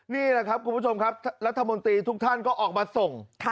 นี่แหละครับคุณผู้ชมครับรัฐมนตรีทุกท่านก็ออกมาส่ง